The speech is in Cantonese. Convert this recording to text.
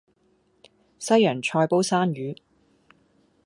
西洋菜煲生魚